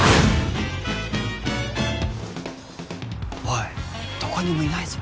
おいどこにもいないぞ。